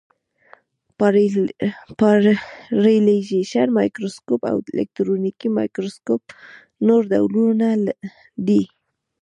پالرېزېشن مایکروسکوپ او الکترونیکي مایکروسکوپ نور ډولونه دي.